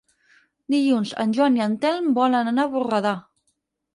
Dilluns en Joan i en Telm volen anar a Borredà.